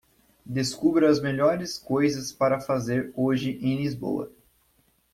Descubra as melhores coisas para fazer hoje em Lisboa.